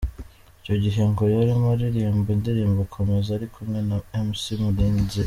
Icyo gihe ngo yarimo aririmba indirimbo ‘Komeza’ ari kumwe na Mc Murenzi.